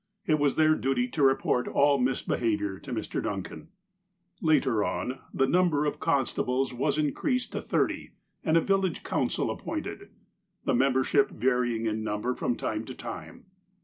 It was their duty to report all misbehaviom* to Mr. Duncan. Later on, the number of constables was increased to thirty, and a village council appointed, the membership varying in number from time to time.